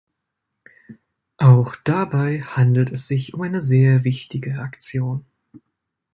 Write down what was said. Auch dabei handelt es sich um eine sehr wichtige Aktion.